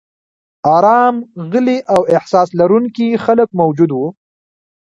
ارام، غلي او احساس لرونکي خلک موجود و.